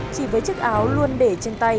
chỉ với chiếc áo luôn để trên tay